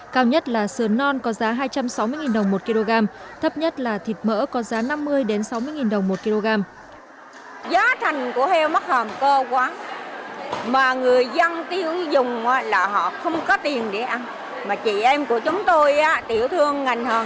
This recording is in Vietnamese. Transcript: cao nhất là sườn non có giá hai trăm sáu mươi đồng một kg thấp nhất là thịt mỡ có giá năm mươi sáu mươi đồng một kg